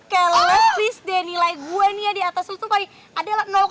kayak last week deh nilai gua nih ya diatas lu tuh paling